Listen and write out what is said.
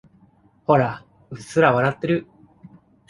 ほら、うっすら笑ってる。